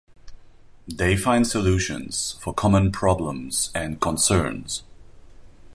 They find solutions for common problems and concerns.